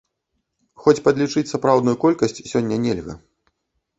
Хоць падлічыць сапраўдную колькасць сёння нельга.